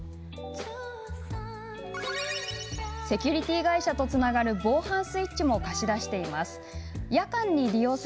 セキュリティー会社とつながる防犯スイッチも貸し出しています。